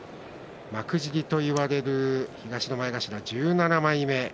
幕尻と呼ばれる東の前頭１７枚目。